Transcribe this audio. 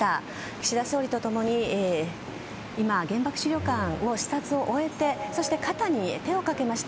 岸田総理と共に今、原爆資料館の視察を終えてそして肩に手をかけました